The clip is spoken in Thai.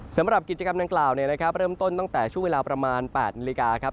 สำหรับกิจกรรมดังกล่าวเริ่มต้นตั้งแต่ช่วงเวลาประมาณ๘นาฬิกาครับ